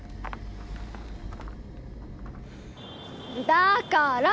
だから！